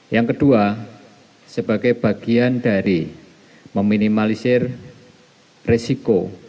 yang kedua sebagai bagian dari meminimalisir risiko